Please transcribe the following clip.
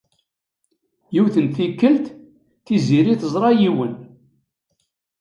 Yiwet n tikkelt, Tiziri teẓra yiwen.